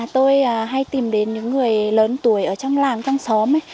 tôi hay tìm đến những người lớn tuổi ở trong làng trong xóm ấy